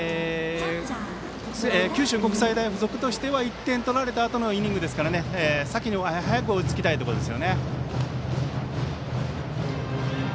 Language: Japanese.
九州国際大付属としては１点取られたあとのイニングですから早く追いつきたいところですよね。